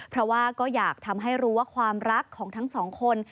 เพราะว่าก็อยากทำให้รู้ว่าความรักของทั้งสองคน